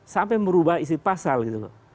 sampai merubah isi pasal gitu loh